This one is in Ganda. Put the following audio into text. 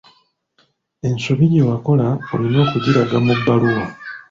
Ensobi gye wakola olina okugiraga mu bbaluwa.